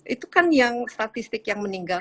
itu kan yang statistik yang meninggal